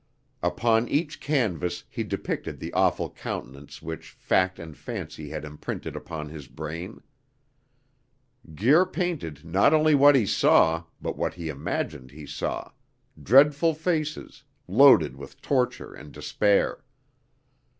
"Upon each canvas he depicted the awful countenance which fact and fancy had imprinted upon his brain. Guir painted not only what he saw, but what he imagined he saw dreadful faces, loaded with torture and despair.